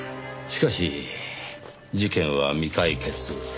しかし事件は未解決。